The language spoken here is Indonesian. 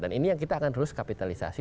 dan ini yang kita akan terus kapitalisasi